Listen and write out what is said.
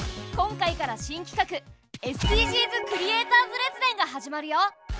今回から新きかく「ＳＤＧｓクリエイターズ列伝」が始まるよ。